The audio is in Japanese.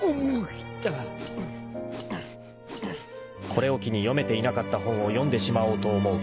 ［これを機に読めていなかった本を読んでしまおうと思う。